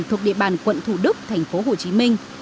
thuộc địa bàn quận thủ đức thành phố hồ chí minh